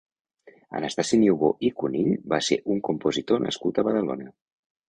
Anastasi Niubò i Cunill va ser un compositor nascut a Badalona.